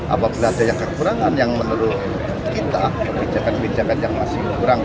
apabila ada kekurangan yang menurut kita kebijakan kebijakan yang masih kurang